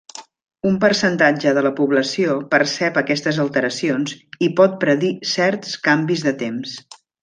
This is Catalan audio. Un percentatge de la població percep aquestes alteracions i pot predir certs canvis de temps.